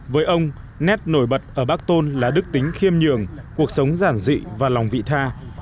với ông nét nổi bật ở bác tôn là đức tính khiêm nhường cuộc sống giản dị và lòng vị tha